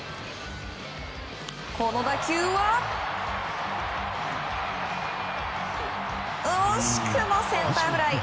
この打球は惜しくもセンターフライ。